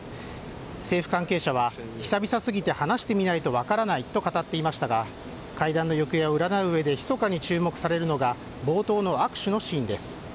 政府関係者は久々すぎて話してみないと分からないと語っていましたが会談の行方を占ううえでひそかに注目されるのが冒頭の握手のシーンです。